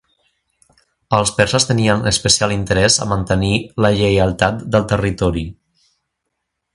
Els perses tenien especial interès a mantenir la lleialtat del territori.